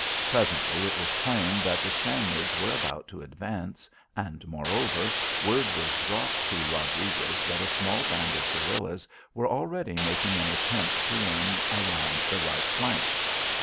Presently it was plain that the Spaniards were about to advance and, moreover, word was brought to Rodriguez that a small band of guerillas were already making an attempt to worm around the right flank.